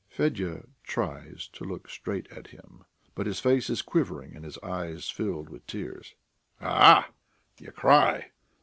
Fedya tries to look straight at him, but his face is quivering and his eyes fill with tears. "A ah!... you cry?